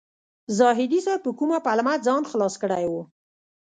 زاهدي صیب په کومه پلمه ځان خلاص کړی و.